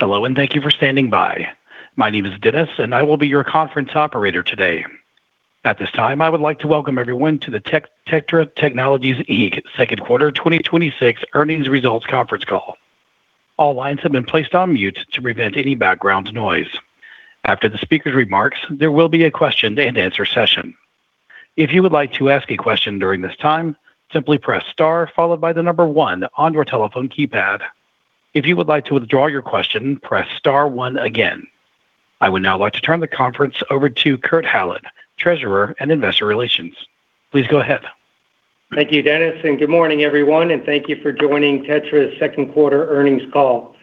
Hello. Thank you for standing by. My name is Dennis. I will be your conference operator today. At this time, I would like to welcome everyone to the TETRA Technologies, Inc. second quarter 2026 earnings results conference call. All lines have been placed on mute to prevent any background noise. After the speaker's remarks, there will be a question-and-answer session. If you would like to ask a question during this time, simply press star followed by the number one on your telephone keypad. If you would like to withdraw your question, press star one again. I would now like to turn the conference over to Kurt Hallead, Treasurer and Investor Relations. Please go ahead. Thank you, Dennis. Good morning, everyone. Thank you for joining TETRA's second quarter earnings call.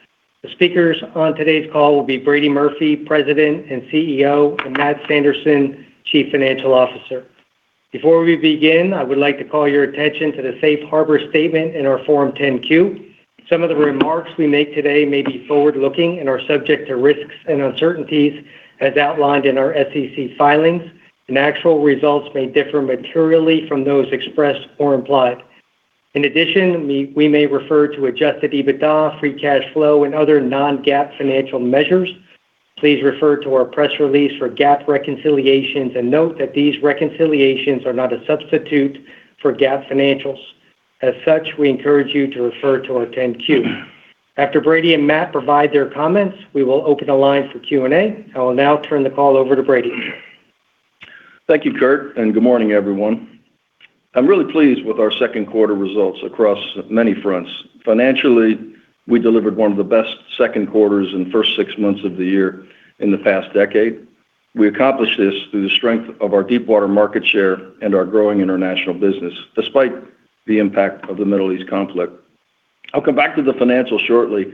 The speakers on today's call will be Brady Murphy, President and CEO, and Matt Sanderson, Chief Financial Officer. Before we begin, I would like to call your attention to the safe harbor statement in our Form 10-Q. Some of the remarks we make today may be forward-looking and are subject to risks and uncertainties as outlined in our SEC filings. Actual results may differ materially from those expressed or implied. In addition, we may refer to adjusted EBITDA, free cash flow, and other non-GAAP financial measures. Please refer to our press release for GAAP reconciliations and note that these reconciliations are not a substitute for GAAP financials. We encourage you to refer to our 10-Q. After Brady and Matt provide their comments, we will open the line for Q&A. I will now turn the call over to Brady. Thank you, Kurt. Good morning, everyone. I'm really pleased with our second quarter results across many fronts. Financially, we delivered one of the best second quarters in the first six months of the year in the past decade. We accomplished this through the strength of our deep water market share and our growing international business, despite the impact of the Middle East conflict. I'll come back to the financials shortly.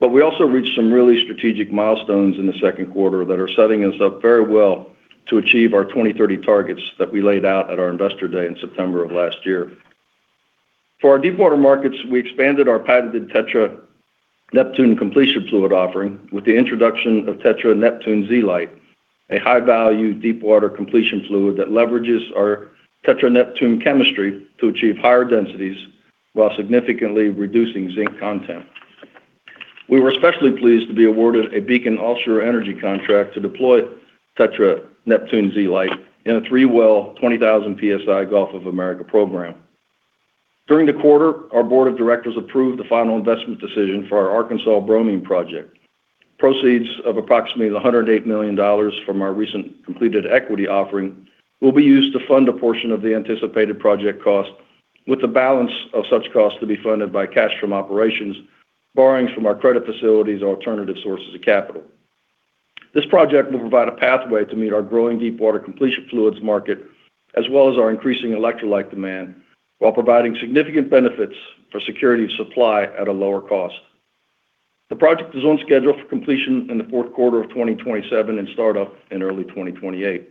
We also reached some really strategic milestones in the second quarter that are setting us up very well to achieve our 2030 targets that we laid out at our Investor Day in September of last year. For our deep water markets, we expanded our patented TETRA Neptune completion fluid offering with the introduction of TETRA Neptune Z-Lite, a high-value deep water completion fluid that leverages our TETRA Neptune chemistry to achieve higher densities while significantly reducing zinc content. We were especially pleased to be awarded a Beacon Offshore Energy contract to deploy TETRA Neptune Z-Lite in a three-well, 20,000 psi Gulf of America program. During the quarter, our Board of Directors approved the final investment decision for our Arkansas bromine project. Proceeds of approximately $108 million from our recent completed equity offering will be used to fund a portion of the anticipated project cost with the balance of such cost to be funded by cash from operations, borrowings from our credit facilities, or alternative sources of capital. This project will provide a pathway to meet our growing deepwater completion fluids market, as well as our increasing electrolyte demand, while providing significant benefits for security of supply at a lower cost. The project is on schedule for completion in the fourth quarter of 2027 and startup in early 2028.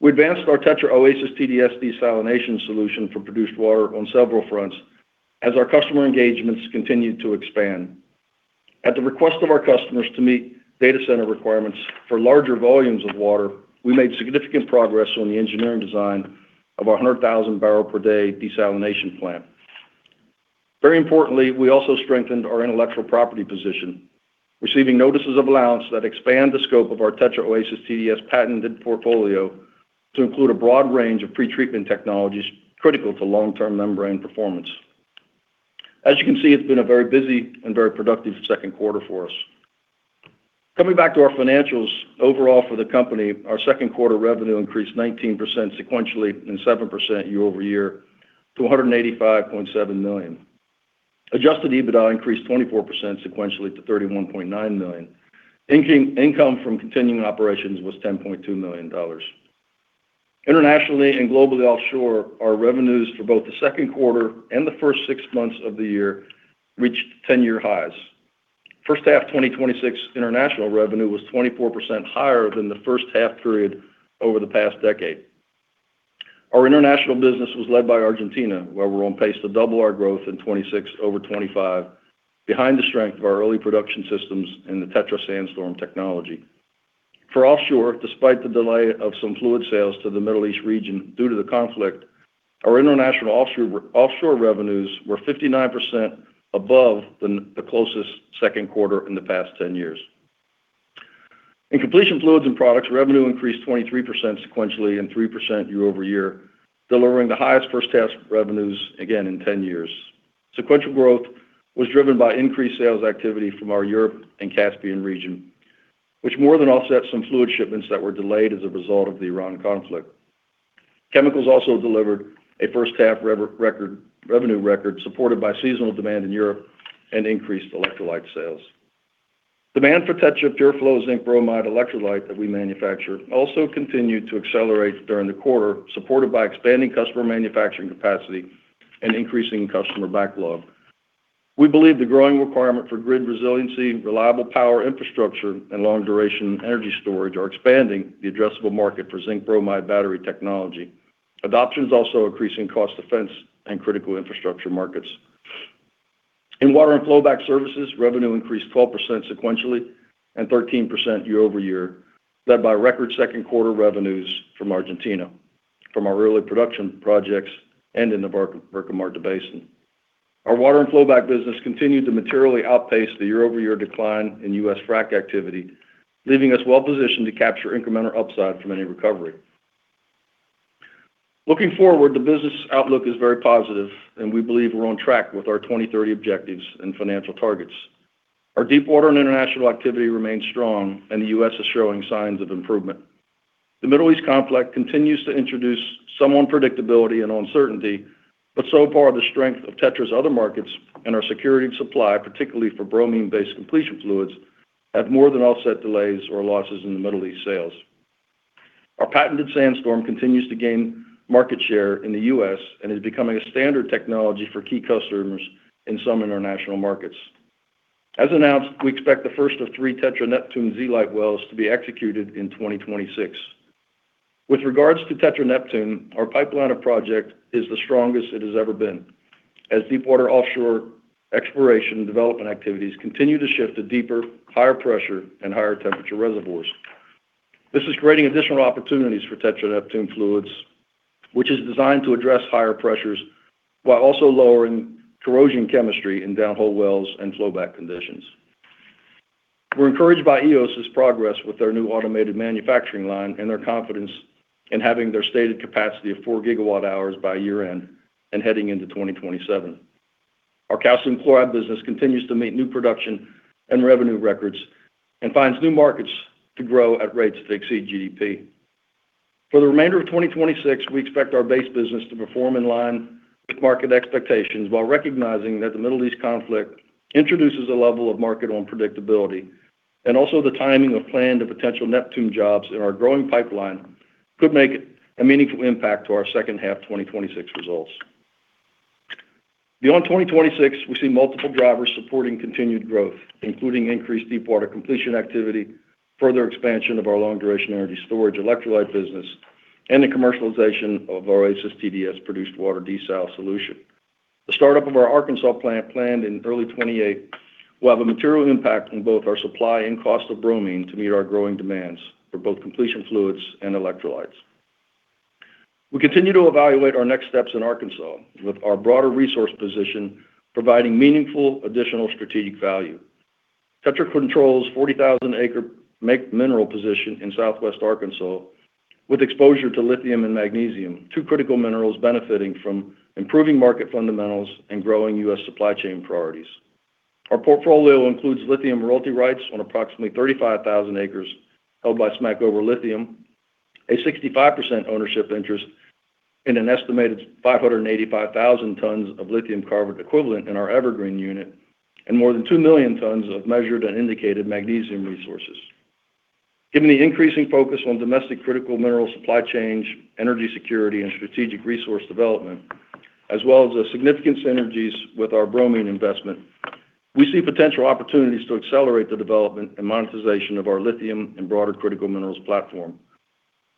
We advanced our TETRA Oasis TDS desalination solution for produced water on several fronts as our customer engagements continued to expand. At the request of our customers to meet data center requirements for larger volumes of water, we made significant progress on the engineering design of our 100,000 barrel per day desalination plant. Very importantly, we also strengthened our intellectual property position, receiving notices of allowance that expand the scope of our TETRA Oasis TDS patented portfolio to include a broad range of pre-treatment technologies critical to long-term membrane performance. As you can see, it's been a very busy and very productive second quarter for us. Coming back to our financials, overall for the company, our second quarter revenue increased 19% sequentially and 7% year-over-year to $185.7 million. Adjusted EBITDA increased 24% sequentially to $31.9 million. Income from continuing operations was $10.2 million. Internationally and globally offshore, our revenues for both the second quarter and the first six months of the year reached 10-year highs. First half 2026 international revenue was 24% higher than the first half period over the past decade. Our international business was led by Argentina, where we're on pace to double our growth in 2026 over 2025 behind the strength of our early production facilities and the TETRA SandStorm technology. For offshore, despite the delay of some fluid sales to the Middle East region due to the conflict, our international offshore revenues were 59% above the closest second quarter in the past 10 years. In Completion Fluids & Products, revenue increased 23% sequentially and 3% year-over-year, delivering the highest first half revenues again in 10 years. Sequential growth was driven by increased sales activity from our Europe and Caspian region, which more than offset some fluid shipments that were delayed as a result of the Iran conflict. Chemicals also delivered a first half revenue record supported by seasonal demand in Europe and increased electrolyte sales. Demand for TETRA PureFlow zinc bromide electrolyte that we manufacture also continued to accelerate during the quarter, supported by expanding customer manufacturing capacity and increasing customer backlog. We believe the growing requirement for grid resiliency, reliable power infrastructure, and long duration energy storage are expanding the addressable market for zinc bromide battery technology. Adoption is also increasing cost defense and critical infrastructure markets. In Water & Flowback Services, revenue increased 12% sequentially and 13% year-over-year, led by record second quarter revenues from Argentina. From our early production projects and in the Vaca Muerta Basin. Our water and flowback business continued to materially outpace the year-over-year decline in U.S. frac activity, leaving us well-positioned to capture incremental upside from any recovery. Looking forward, the business outlook is very positive, and we believe we're on track with our 2030 objectives and financial targets. Our deepwater and international activity remains strong, and the U.S. is showing signs of improvement. The Middle East conflict continues to introduce some unpredictability and uncertainty, but so far, the strength of TETRA's other markets and our security of supply, particularly for bromine-based completion fluids, have more than offset delays or losses in the Middle East sales. Our patented SandStorm continues to gain market share in the U.S. and is becoming a standard technology for key customers in some international markets. As announced, we expect the first of three TETRA Neptune Z-Lite wells to be executed in 2026. With regards to TETRA Neptune, our pipeline of project is the strongest it has ever been as deepwater offshore exploration and development activities continue to shift to deeper, higher pressure, and higher temperature reservoirs. This is creating additional opportunities for TETRA Neptune fluids, which is designed to address higher pressures while also lowering corrosion chemistry in downhole wells and flowback conditions. We're encouraged by Eos's progress with their new automated manufacturing line and their confidence in having their stated capacity of 4 GWh by year-end and heading into 2027. Our calcium chloride business continues to meet new production and revenue records and finds new markets to grow at rates that exceed GDP. For the remainder of 2026, we expect our base business to perform in line with market expectations while recognizing that the Middle East conflict introduces a level of market unpredictability, and also the timing of planned and potential Neptune jobs in our growing pipeline could make a meaningful impact to our second half 2026 results. Beyond 2026, we see multiple drivers supporting continued growth, including increased deepwater completion activity, further expansion of our long-duration energy storage electrolyte business, and the commercialization of our Oasis TDS produced water desal solution. The start-up of our Arkansas plant planned in early 2028 will have a material impact on both our supply and cost of bromine to meet our growing demands for both completion fluids and electrolytes. We continue to evaluate our next steps in Arkansas with our broader resource position providing meaningful additional strategic value. TETRA controls 40,000-acre mineral position in southwest Arkansas with exposure to lithium and magnesium, two critical minerals benefiting from improving market fundamentals and growing U.S. supply chain priorities. Our portfolio includes lithium royalty rights on approximately 35,000 acres held by Smackover Lithium, a 65% ownership interest in an estimated 585,000 tons of lithium carbonate equivalent in our Evergreen Unit, and more than two million tons of measured and indicated magnesium resources. Given the increasing focus on domestic critical mineral supply chains, energy security, and strategic resource development, as well as the significant synergies with our bromine investment, we see potential opportunities to accelerate the development and monetization of our lithium and broader critical minerals platform.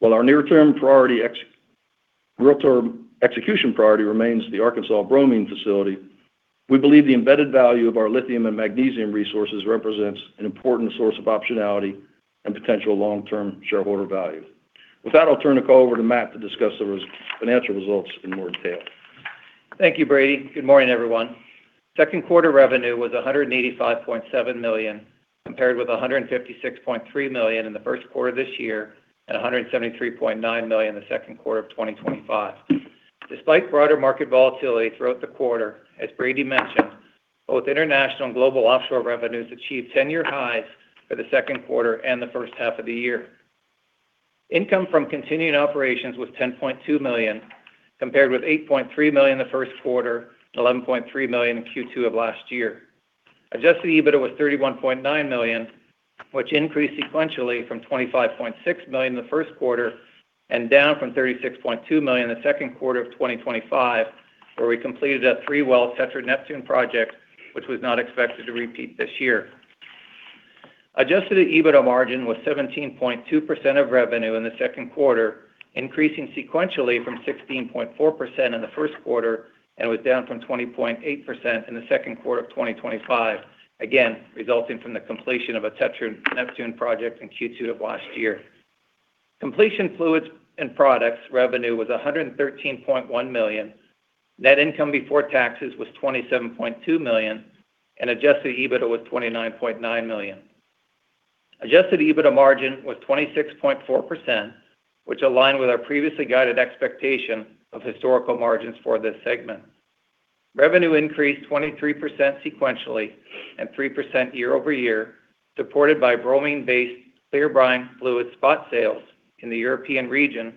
While our near-term real-term execution priority remains the Arkansas bromine facility, we believe the embedded value of our lithium and magnesium resources represents an important source of optionality and potential long-term shareholder value. With that, I'll turn the call over to Matt to discuss the financial results in more detail. Thank you, Brady. Good morning, everyone. Second quarter revenue was $185.7 million, compared with $156.3 million in the first quarter of this year, and $173.9 million in the second quarter of 2025. Despite broader market volatility throughout the quarter, as Brady mentioned, both international and global offshore revenues achieved 10-year highs for the second quarter and the first half of the year. Income from continuing operations was $10.2 million, compared with $8.3 million in the first quarter and $11.3 million in Q2 of last year. Adjusted EBITDA was $31.9 million, which increased sequentially from $25.6 million in the first quarter and down from $36.2 million in the second quarter of 2025, where we completed that three-well TETRA Neptune project, which was not expected to repeat this year. Adjusted EBITDA margin was 17.2% of revenue in the second quarter, increasing sequentially from 16.4% in the first quarter and was down from 20.8% in the second quarter of 2025, again, resulting from the completion of a TETRA Neptune project in Q2 of last year. Completion Fluids and Products revenue was $113.1 million, net income before taxes was $27.2 million, and adjusted EBITDA was $29.9 million. Adjusted EBITDA margin was 26.4%, which aligned with our previously guided expectation of historical margins for this segment. Revenue increased 23% sequentially and 3% year-over-year, supported by bromine-based clear brine fluid spot sales in the European region,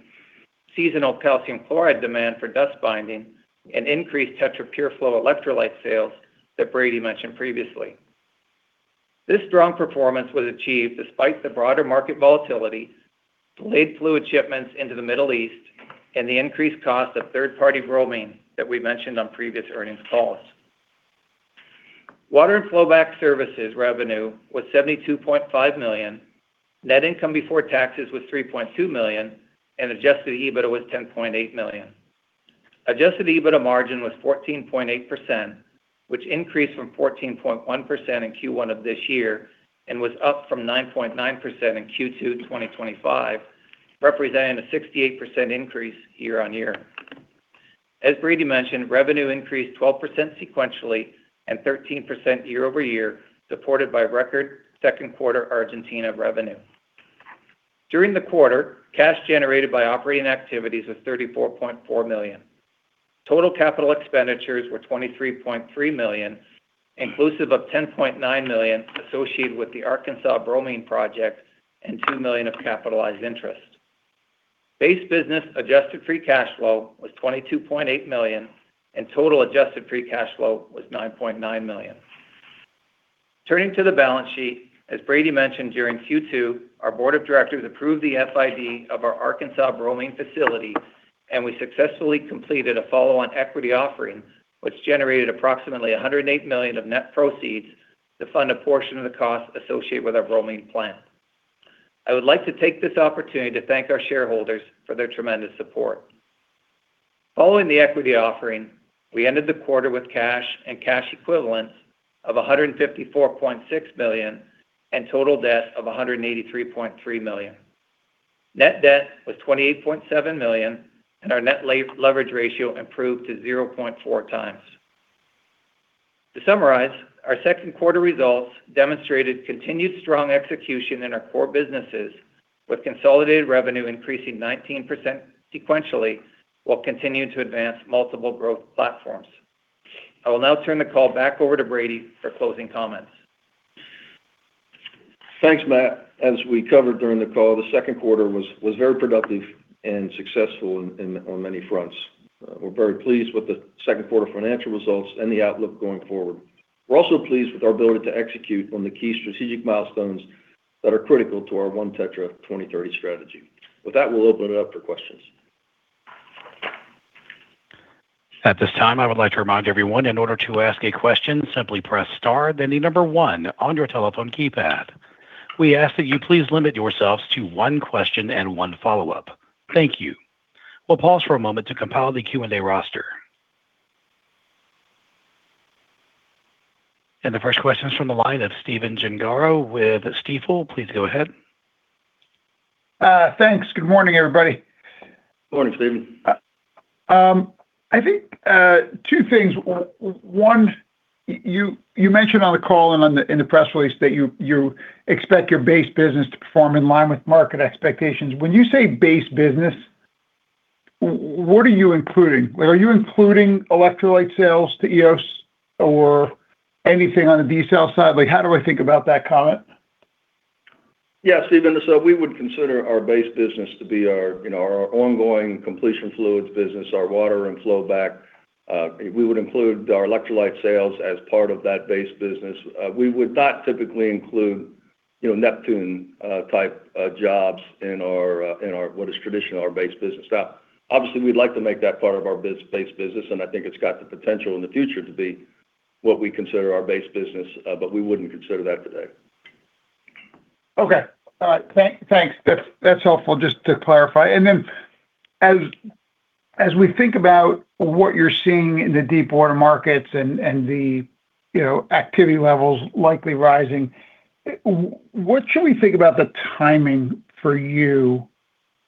seasonal calcium chloride demand for dust binding, and increased TETRA PureFlow electrolyte sales that Brady mentioned previously. This strong performance was achieved despite the broader market volatility, delayed fluid shipments into the Middle East, and the increased cost of third-party bromine that we mentioned on previous earnings calls. Water and Flowback Services revenue was $72.5 million, net income before taxes was $3.2 million, and adjusted EBITDA was $10.8 million. Adjusted EBITDA margin was 14.8%, which increased from 14.1% in Q1 of this year and was up from 9.9% in Q2 2025, representing a 68% increase year-on-year. As Brady mentioned, revenue increased 12% sequentially and 13% year-over-year, supported by record second quarter Argentina revenue. During the quarter, cash generated by operating activities was $34.4 million. Total capital expenditures were $23.3 million, inclusive of $10.9 million associated with the Arkansas bromine project and $2 million of capitalized interest. Base business adjusted free cash flow was $22.8 million, and total adjusted free cash flow was $9.9 million. Turning to the balance sheet, as Brady mentioned during Q2, our board of directors approved the FID of our Arkansas bromine facility, and we successfully completed a follow-on equity offering, which generated approximately $108 million of net proceeds to fund a portion of the cost associated with our bromine plant. I would like to take this opportunity to thank our shareholders for their tremendous support. Following the equity offering, we ended the quarter with cash and cash equivalents of $154.6 million and total debt of $183.3 million. Net debt was $28.7 million, and our net leverage ratio improved to 0.4x. To summarize, our second quarter results demonstrated continued strong execution in our core businesses with consolidated revenue increasing 19% sequentially, while continuing to advance multiple growth platforms. I will now turn the call back over to Brady for closing comments. Thanks, Matt. As we covered during the call, the second quarter was very productive and successful on many fronts. We're very pleased with the second quarter financial results and the outlook going forward. We're also pleased with our ability to execute on the key strategic milestones that are critical to our ONE TETRA 2030 strategy. With that, we'll open it up for questions. At this time, I would like to remind everyone, in order to ask a question, simply press star, then the number one on your telephone keypad. We ask that you please limit yourselves to one question and one follow-up. Thank you. We'll pause for a moment to compile the Q&A roster. The first question is from the line of Stephen Gengaro with Stifel. Please go ahead. Thanks. Good morning, everybody. Good morning, Stephen. I think two things. One, you mentioned on the call and in the press release that you expect your base business to perform in line with market expectations. When you say base business, what are you including? Are you including electrolyte sales to Eos or anything on the desal side? How do I think about that comment? Yeah, Stephen, we would consider our base business to be our ongoing completion fluids business, our water and flowback. We would include our electrolyte sales as part of that base business. We would not typically include Neptune type jobs in what is traditionally our base business. Obviously, we'd like to make that part of our base business, and I think it's got the potential in the future to be what we consider our base business. We wouldn't consider that today. Okay. All right. Thanks. That's helpful. Just to clarify. As we think about what you're seeing in the deepwater markets and the activity levels likely rising, what should we think about the timing for you?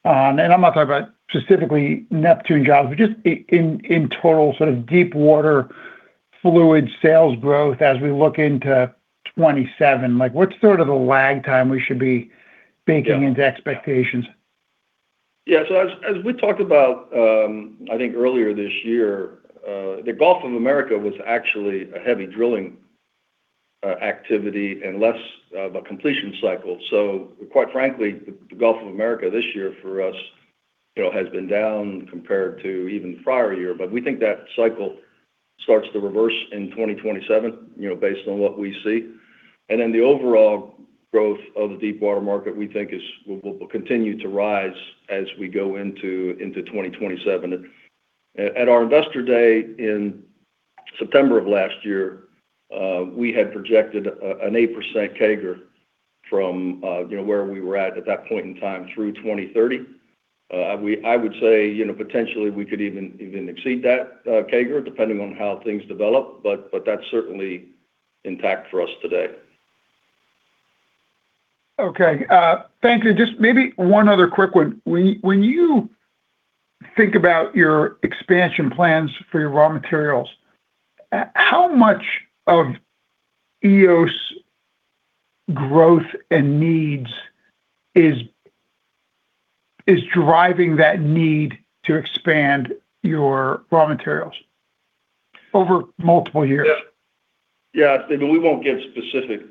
I'm not talking about specifically Neptune jobs, but just in total sort of deepwater fluid sales growth as we look into 2027. What's sort of the lag time we should be baking into expectations? Yeah. As we talked about, I think earlier this year, the Gulf of America was actually a heavy drilling activity and less of a completion cycle. Quite frankly, the Gulf of America this year for us has been down compared to even the prior year. We think that cycle starts to reverse in 2027, based on what we see. The overall growth of the deepwater market, we think, will continue to rise as we go into 2027. At our Investor Day in September of last year, we had projected an 8% CAGR from where we were at at that point in time through 2030. I would say, potentially, we could even exceed that CAGR, depending on how things develop, but that's certainly intact for us today. Okay. Thank you. Just maybe one other quick one. When you think about your expansion plans for your raw materials, how much of Eos growth and needs is driving that need to expand your raw materials over multiple years? Yeah. Stephen, we won't give specific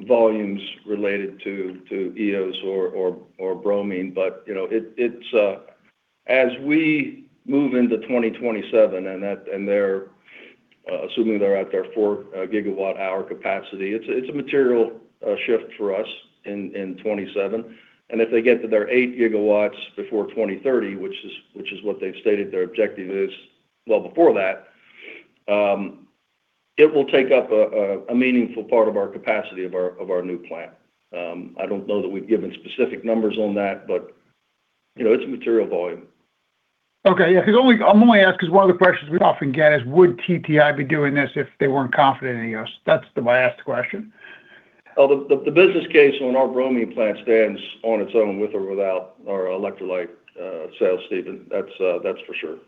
volumes related to Eos or bromine. As we move into 2027, assuming they're at their 4 GWh capacity, it's a material shift for us in 2027. If they get to their 8 GW before 2030, which is what they've stated their objective is well before that, it will take up a meaningful part of our capacity of our new plant. I don't know that we've given specific numbers on that, but it's a material volume. Okay. Yeah, I'm only asking because one of the questions we often get is would TTI be doing this if they weren't confident in you guys? That's my asked question. The business case on our bromine plant stands on its own, with or without our electrolyte sales, Stephen. That's for sure.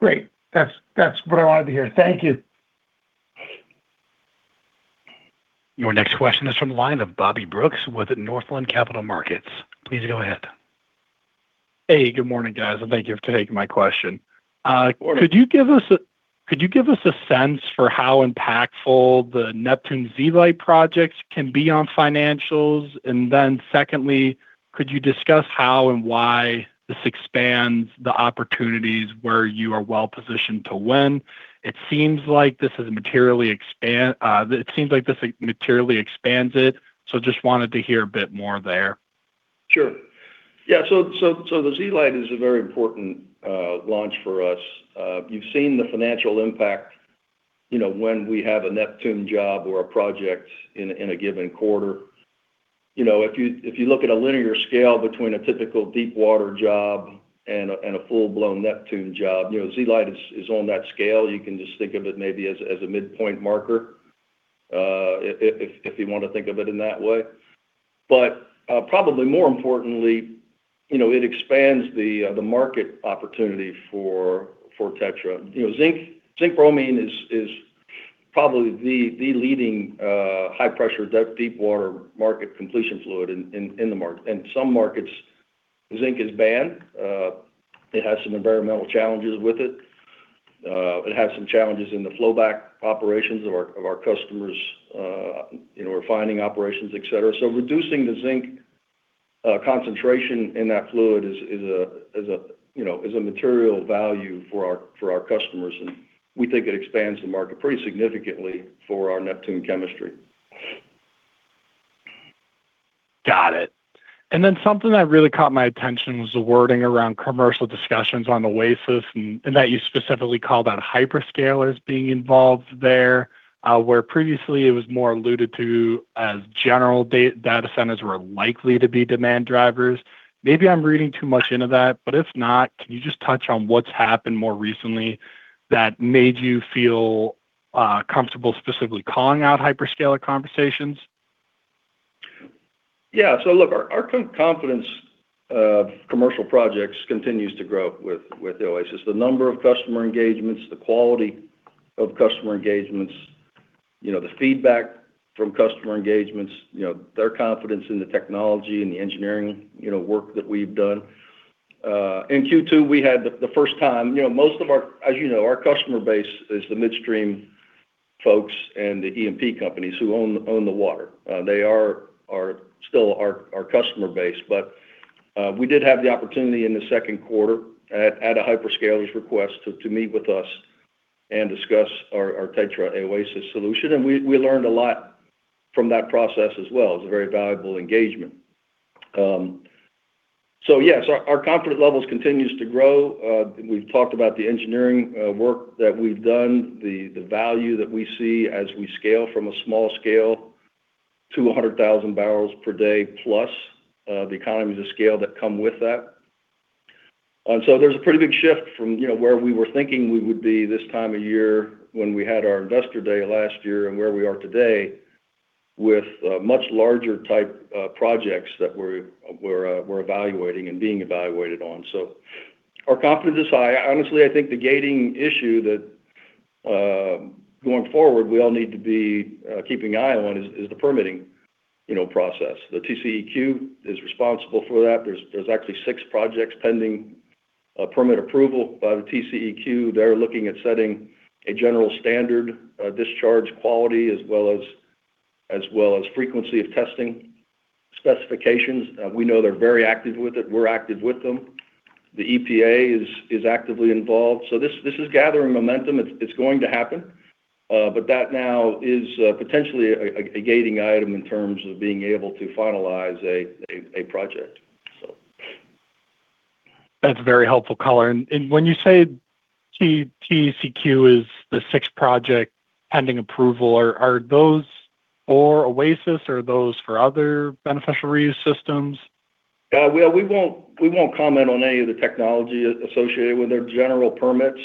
Great. That's what I wanted to hear. Thank you. Your next question is from the line of Bobby Brooks with Northland Capital Markets. Please go ahead. Hey, good morning, guys, thank you for taking my question. Of course. Could you give us a sense for how impactful the Neptune Z-Lite projects can be on financials? Secondly, could you discuss how and why this expands the opportunities where you are well-positioned to win? It seems like this materially expands it, just wanted to hear a bit more there. Sure. Yeah. The Z-Lite is a very important launch for us. You've seen the financial impact when we have a Neptune job or a project in a given quarter. If you look at a linear scale between a typical deep water job and a full-blown Neptune job, Z-Lite is on that scale. You can just think of it maybe as a midpoint marker, if you want to think of it in that way. Probably more importantly, it expands the market opportunity for TETRA. Zinc bromide is probably the leading high-pressure, deep water market completion fluid in the market. In some markets, zinc is banned. It has some environmental challenges with it. It has some challenges in the flowback operations of our customers, refining operations, et cetera. Reducing the zinc concentration in that fluid is a material value for our customers, and we think it expands the market pretty significantly for our Neptune chemistry. Got it. Something that really caught my attention was the wording around commercial discussions on Oasis, and that you specifically called out hyperscalers being involved there, where previously it was more alluded to as general data centers were likely to be demand drivers. Maybe I'm reading too much into that, but if not, can you just touch on what's happened more recently that made you feel comfortable specifically calling out hyperscaler conversations? Our confidence of commercial projects continues to grow with the Oasis. The number of customer engagements, the quality of customer engagements, the feedback from customer engagements, their confidence in the technology and the engineering work that we've done. In Q2, as you know, our customer base is the midstream folks and the E&P companies who own the water. They are still our customer base. We did have the opportunity in the second quarter at a hyperscaler's request to meet with us and discuss our TETRA Oasis solution, and we learned a lot from that process as well. It was a very valuable engagement. Yes, our confidence levels continues to grow. We've talked about the engineering work that we've done, the value that we see as we scale from a small scale to 100,000 barrels per day plus, the economies of scale that come with that. There's a pretty big shift from where we were thinking we would be this time of year when we had our investor day last year and where we are today with much larger type projects that we're evaluating and being evaluated on. Our confidence is high. Honestly, I think the gating issue that going forward we all need to be keeping an eye on is the permitting process. The TCEQ is responsible for that. There's actually six projects pending permit approval by the TCEQ. They're looking at setting a general standard discharge quality as well as frequency of testing specifications. We know they're very active with it. We're active with them. The EPA is actively involved. This is gathering momentum. It's going to happen. That now is potentially a gating item in terms of being able to finalize a project, so. That's very helpful color. When you say TCEQ is the sixth project pending approval, are those for Oasis, or are those for other beneficial reuse systems? We won't comment on any of the technology associated with their general permits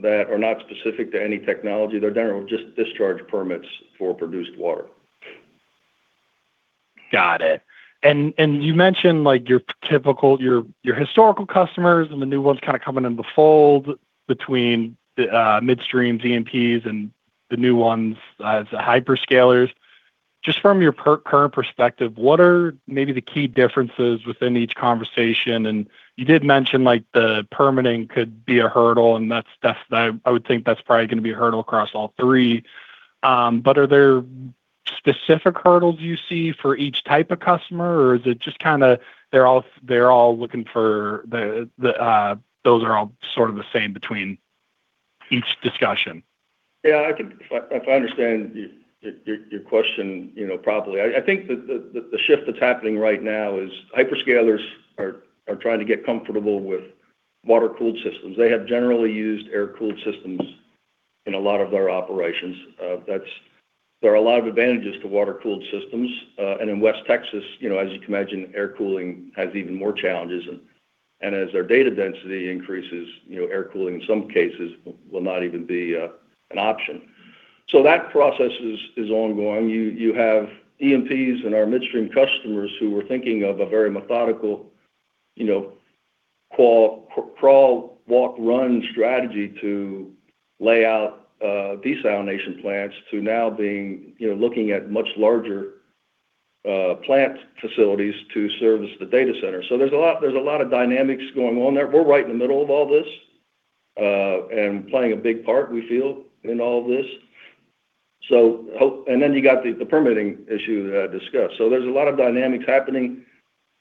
that are not specific to any technology. They're general discharge permits for produced water. Got it. You mentioned your historical customers and the new ones coming in the fold between midstream E&Ps and the new ones as the hyperscalers. Just from your current perspective, what are maybe the key differences within each conversation? You did mention the permitting could be a hurdle, and I would think that's probably going to be a hurdle across all three. Are there specific hurdles you see for each type of customer, or is it just those are all sort of the same between each discussion? If I understand your question properly. I think that the shift that's happening right now is hyperscalers are trying to get comfortable with water-cooled systems. They have generally used air-cooled systems in a lot of their operations. There are a lot of advantages to water-cooled systems. In West Texas, as you can imagine, air cooling has even more challenges. As their data density increases, air cooling, in some cases, will not even be an option. That process is ongoing. You have E&Ps and our midstream customers who were thinking of a very methodical crawl, walk, run strategy to lay out desalination plants to now looking at much larger plant facilities to service the data center. There's a lot of dynamics going on there. We're right in the middle of all this, and playing a big part, we feel, in all of this. You got the permitting issue that I discussed. There's a lot of dynamics happening.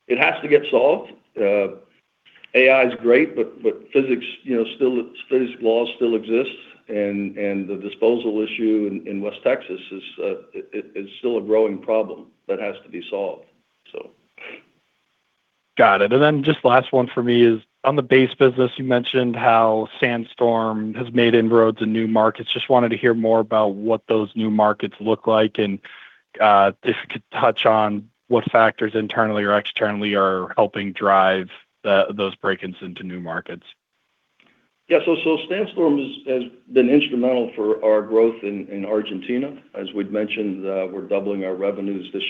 It has to get solved. AI is great, physics laws still exist, and the disposal issue in West Texas is still a growing problem that has to be solved. Got it. Just last one for me is, on the base business, you mentioned how SandStorm has made inroads in new markets. Just wanted to hear more about what those new markets look like and if you could touch on what factors internally or externally are helping drive those break-ins into new markets. SandStorm has been instrumental for our growth in Argentina. As we'd mentioned, we're doubling our revenues this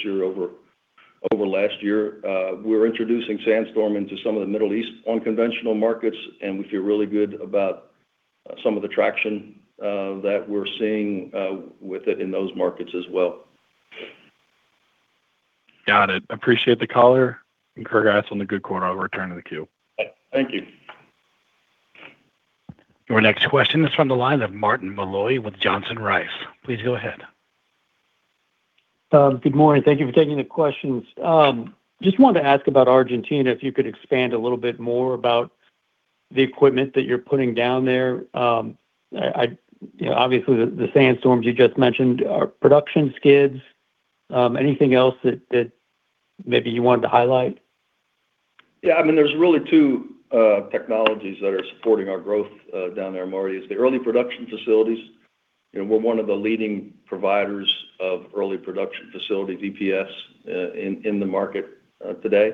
year over last year. We're introducing SandStorm into some of the Middle East unconventional markets, and we feel really good about some of the traction that we're seeing with it in those markets as well. Got it. Appreciate the color. Congrats on the good quarter. I'll return to the queue. Thank you. Your next question is from the line of Martin Malloy with Johnson Rice. Please go ahead. Good morning. Thank you for taking the questions. Just wanted to ask about Argentina, if you could expand a little bit more about the equipment that you're putting down there. Obviously, the SandStorms you just mentioned are production skids. Anything else that maybe you wanted to highlight? Yeah, there's really two technologies that are supporting our growth down there, Marty. It's the early production facilities. We're one of the leading providers of early production facilities, EPFs, in the market today.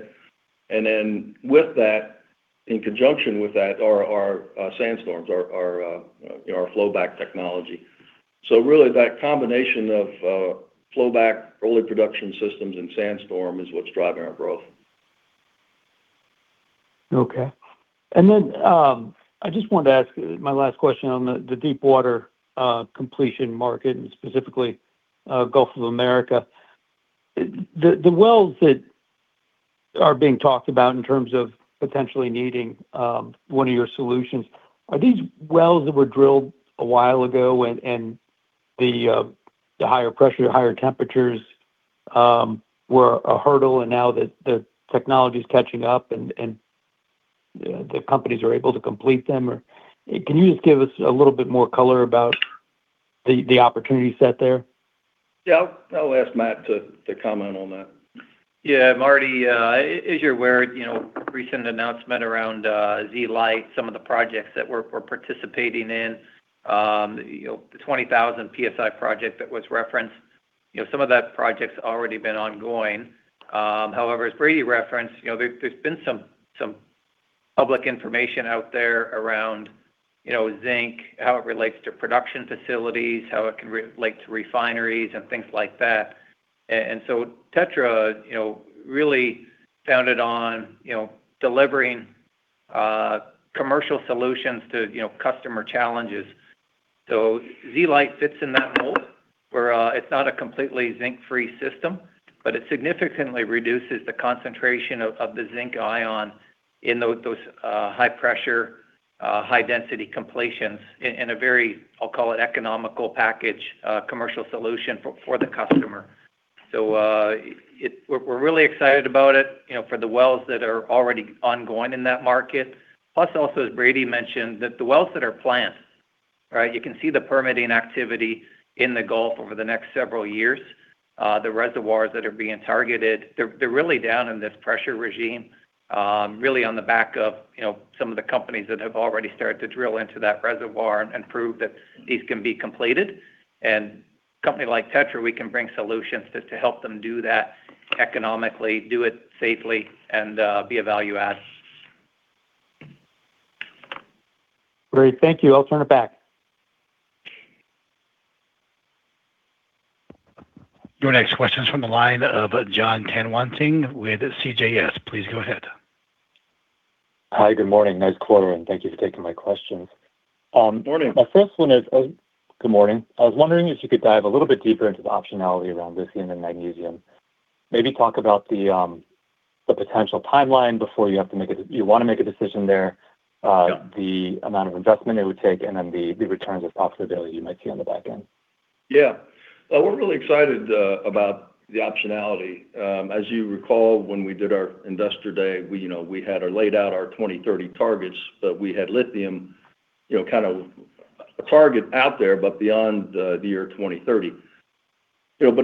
In conjunction with that are our SandStorms, our flowback technology. Really that combination of flowback early production systems and SandStorm is what's driving our growth. Okay. I just wanted to ask my last question on the deep water completion market, and specifically Gulf of America. The wells that are being talked about in terms of potentially needing one of your solutions, are these wells that were drilled a while ago and the higher pressure, higher temperatures were a hurdle, and now that the technology's catching up and the companies are able to complete them? Or can you just give us a little bit more color about the opportunity set there? Yeah. I'll ask Matt to comment on that. Yeah. Marty, as you're aware, recent announcement around Z-Lite, some of the projects that we're participating in. The 20,000 psi project that was referenced, some of that project's already been ongoing. However, as Brady referenced, there's been some public information out there around zinc, how it relates to production facilities, how it can relate to refineries and things like that. TETRA really founded on delivering commercial solutions to customer challenges. Z-Lite fits in that mold, where it's not a completely zinc-free system, but it significantly reduces the concentration of the zinc ion in those high pressure, high density completions in a very, I'll call it economical package commercial solution for the customer. We're really excited about it, for the wells that are already ongoing in that market. Plus also, as Brady mentioned, that the wells that are planned. You can see the permitting activity in the Gulf over the next several years. The reservoirs that are being targeted, they're really down in this pressure regime. Really on the back of some of the companies that have already started to drill into that reservoir and prove that these can be completed. Company like TETRA, we can bring solutions to help them do that economically, do it safely, and be a value add. Great. Thank you. I'll turn it back. Your next question is from the line of Jon Tanwanteng with CJS. Please go ahead. Hi, good morning. Nice quarter. Thank you for taking my questions. Morning. Good morning. I was wondering if you could dive a little bit deeper into the optionality around lithium and magnesium. Maybe talk about the potential timeline before you want to make a decision there. The amount of investment it would take, then the returns or profitability you might see on the back end. Yeah. We're really excited about the optionality. As you recall, when we did our investor day, we had laid out our 2030 targets, we had lithium, kind of a target out there, beyond the year 2030.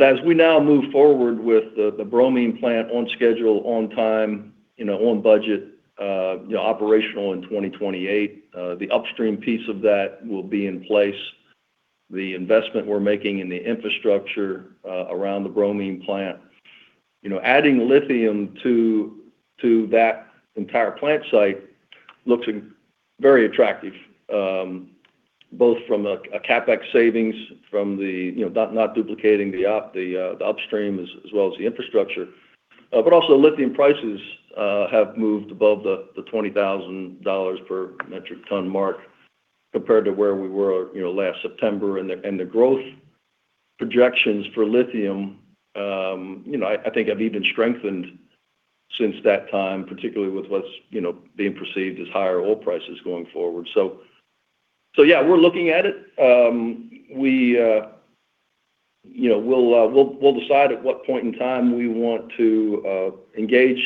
As we now move forward with the bromine plant on schedule, on time, on budget, operational in 2028, the upstream piece of that will be in place. The investment we're making in the infrastructure around the bromine plant. Adding lithium to that entire plant site looks very attractive, both from a CapEx savings, from not duplicating the upstream as well as the infrastructure. Also, lithium prices have moved above the $20,000 per metric ton mark compared to where we were last September. The growth projections for lithium I think have even strengthened since that time, particularly with what's being perceived as higher oil prices going forward. We're looking at it. We'll decide at what point in time we want to engage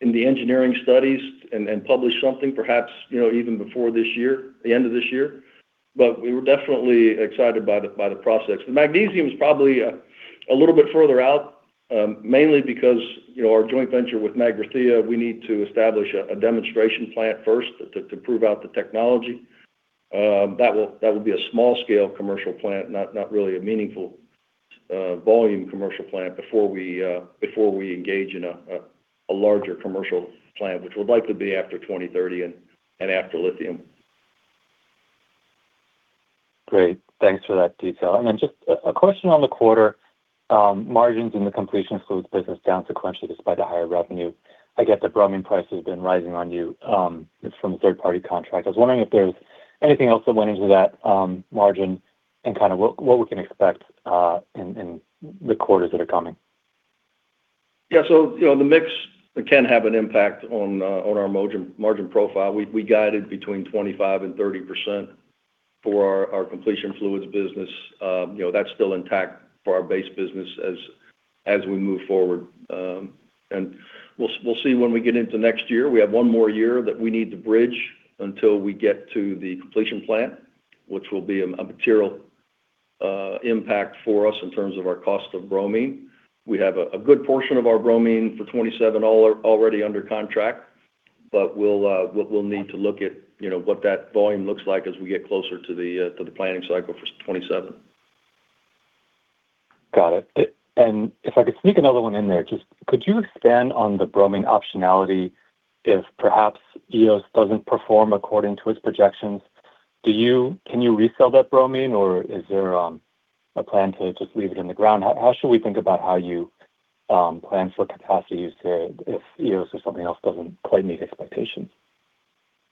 in the engineering studies and publish something, perhaps even before this year, the end of this year. We're definitely excited by the prospects. The magnesium's probably a little bit further out, mainly because our joint venture with Magrathea, we need to establish a demonstration plant first to prove out the technology. That will be a small-scale commercial plant, not really a meaningful volume commercial plant before we engage in a larger commercial plant, which would likely be after 2030 and after lithium. Great. Thanks for that detail. Just a question on the quarter. Margins in the completion fluids business down sequentially despite the higher revenue. I get the bromine price has been rising on you. It's from a third-party contract. I was wondering if there's anything else that went into that margin and what we can expect in the quarters that are coming. Yeah. The mix can have an impact on our margin profile. We guided between 25%-30% for our completion fluids business. That's still intact for our base business as we move forward. We'll see when we get into next year. We have one more year that we need to bridge until we get to the completion plant, which will be a material impact for us in terms of our cost of bromine. We have a good portion of our bromine for 2027 already under contract, we'll need to look at what that volume looks like as we get closer to the planning cycle for 2027. Got it. If I could sneak another one in there. Just could you expand on the bromine optionality if perhaps Eos doesn't perform according to its projections? Can you resell that bromine, or is there a plan to just leave it in the ground? How should we think about how you plan for capacity use there if Eos or something else doesn't quite meet expectations?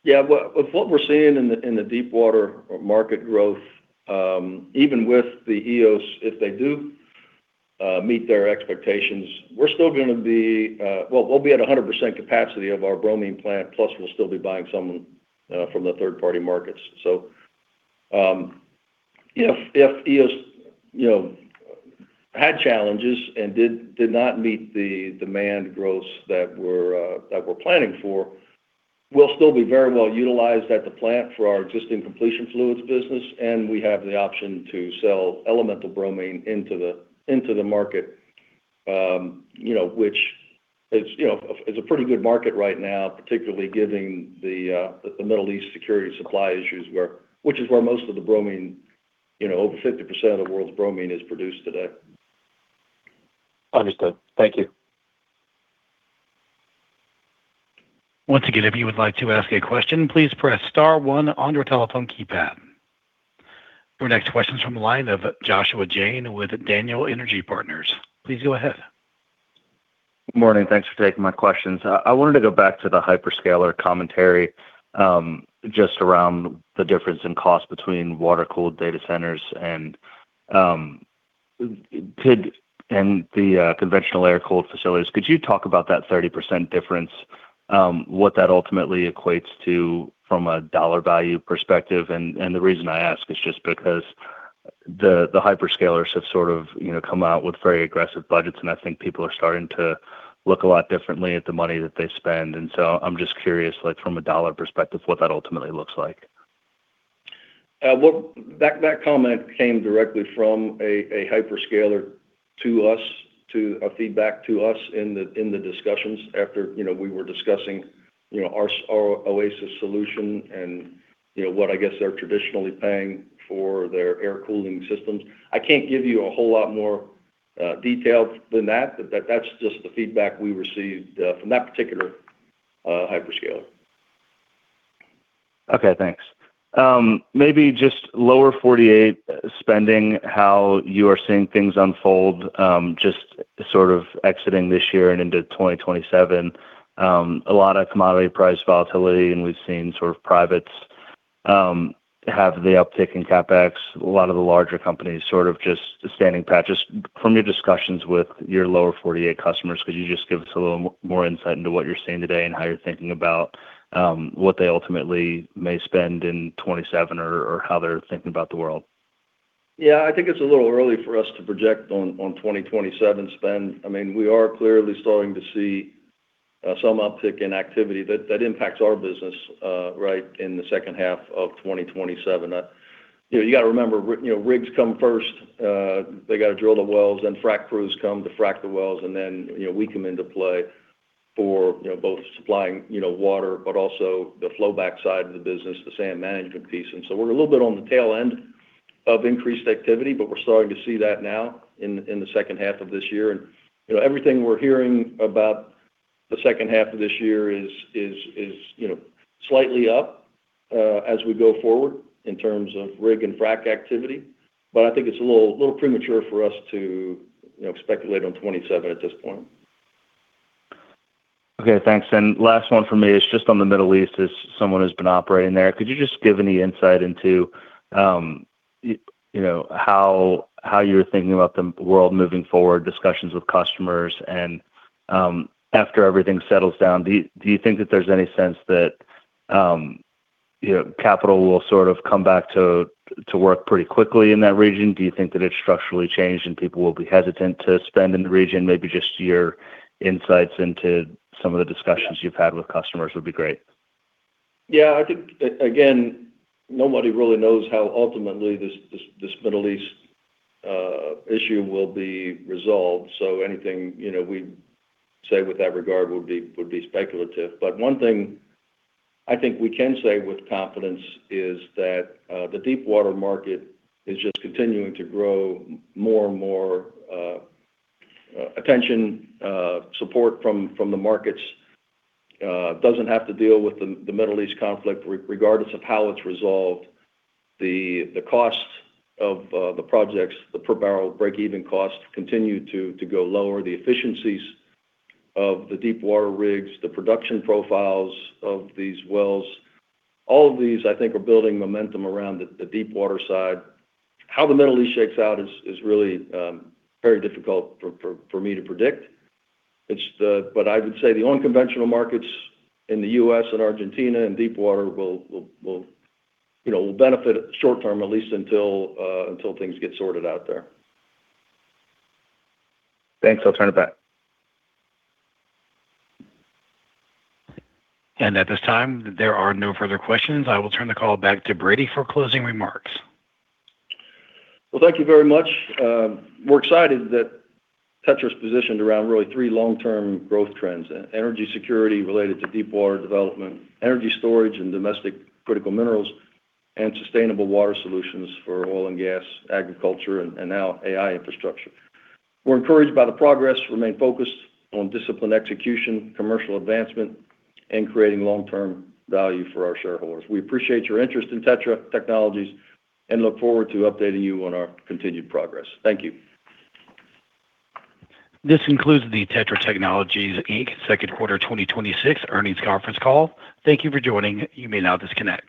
Yeah. With what we're seeing in the deep water market growth, even with the Eos, if they do meet their expectations, we'll be at 100% capacity of our bromine plant, plus we'll still be buying some from the third-party markets. If Eos had challenges and did not meet the demand growth that we're planning for, we'll still be very well utilized at the plant for our existing completion fluids business, and we have the option to sell elemental bromine into the market, which is a pretty good market right now, particularly given the Middle East security supply issues, which is where most of the bromine, over 50% of the world's bromine is produced today. Understood. Thank you. Once again, if you would like to ask a question, please press star one on your telephone keypad. Your next question's from the line of Joshua Jayne with Daniel Energy Partners. Please go ahead. Morning. Thanks for taking my questions. I wanted to go back to the hyperscaler commentary, just around the difference in cost between water-cooled data centers and the conventional air-cooled facilities. Could you talk about that 30% difference, what that ultimately equates to from a dollar value perspective? The reason I ask is just because the hyperscalers have sort of come out with very aggressive budgets, I think people are starting to look a lot differently at the money that they spend. I'm just curious, from a dollar perspective, what that ultimately looks like. That comment came directly from a hyperscaler to us, a feedback to us in the discussions after we were discussing our Oasis solution and what I guess they're traditionally paying for their air cooling systems. I can't give you a whole lot more details than that. That's just the feedback we received from that particular hyperscaler. Okay, thanks. Maybe just Lower 48 spending, how you are seeing things unfold, just sort of exiting this year and into 2027. A lot of commodity price volatility, and we've seen privates have the uptick in CapEx. A lot of the larger companies sort of just standing pat. Just from your discussions with your Lower 48 customers, could you just give us a little more insight into what you're seeing today and how you're thinking about what they ultimately may spend in 2027 or how they're thinking about the world? Yeah, I think it's a little early for us to project on 2027 spend. We are clearly starting to see some uptick in activity that impacts our business right in the second half of 2027. You got to remember, rigs come first. They got to drill the wells, then frac crews come to frac the wells, and then we come into play for both supplying water, but also the flow back side of the business, the sand management piece. So we're a little bit on the tail end of increased activity, but we're starting to see that now in the second half of this year. Everything we're hearing about the second half of this year is slightly up as we go forward in terms of rig and frac activity. I think it's a little premature for us to speculate on 2027 at this point. Okay, thanks. Last one from me is just on the Middle East, as someone who's been operating there. Could you just give any insight into how you're thinking about the world moving forward, discussions with customers, and after everything settles down, do you think that there's any sense that capital will sort of come back to work pretty quickly in that region? Do you think that it structurally changed and people will be hesitant to spend in the region? Maybe just your insights into some of the discussions you've had with customers would be great. Yeah, I think, again, nobody really knows how ultimately this Middle East issue will be resolved. Anything we say with that regard would be speculative. One thing I think we can say with confidence is that the deep water market is just continuing to grow more and more attention. Support from the markets doesn't have to deal with the Middle East conflict, regardless of how it's resolved. The cost of the projects, the per barrel break-even cost continue to go lower. The efficiencies of the deep water rigs, the production profiles of these wells, all of these, I think, are building momentum around the deep water side. How the Middle East shakes out is really very difficult for me to predict. I would say the unconventional markets in the U.S. and Argentina and deep water will benefit short term, at least until things get sorted out there. Thanks. I will turn it back. At this time, there are no further questions. I will turn the call back to Brady for closing remarks. Well, thank you very much. We're excited that TETRA's positioned around really three long-term growth trends. Energy security related to deep water development, energy storage and domestic critical minerals, and sustainable water solutions for oil and gas, agriculture, and now AI infrastructure. We're encouraged by the progress, remain focused on disciplined execution, commercial advancement, and creating long-term value for our shareholders. We appreciate your interest in TETRA Technologies and look forward to updating you on our continued progress. Thank you. This concludes the TETRA Technologies, Inc. second quarter 2026 earnings conference call. Thank you for joining. You may now disconnect.